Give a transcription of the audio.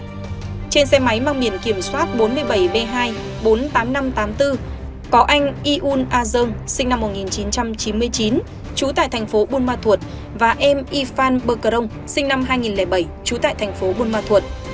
trên xe máy mang biển kiểm soát bốn mươi bảy b hai trăm bốn mươi tám nghìn năm trăm tám mươi bốn có anh yun a dương sinh năm một nghìn chín trăm chín mươi chín trú tại thành phố bùn ma thuột và em yifan bơ cờ rông sinh năm hai nghìn bảy trú tại thành phố bùn ma thuột